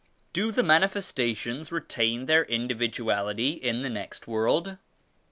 "Do the Manifestations retain their individu ality in the next world?"